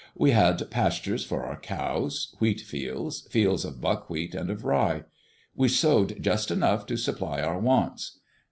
We had pastures for our cows, wheat fields, fields of buckwheat and of rye. We sowed just enough to supply our wants.